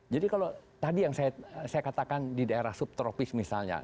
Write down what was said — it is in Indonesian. jadi kalau tadi yang saya katakan di daerah subtropis misalnya